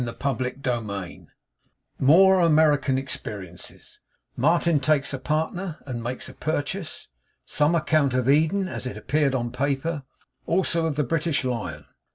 CHAPTER TWENTY ONE MORE AMERICAN EXPERIENCES, MARTIN TAKES A PARTNER, AND MAKES A PURCHASE. SOME ACCOUNT OF EDEN, AS IT APPEARED ON PAPER. ALSO OF THE BRITISH LION.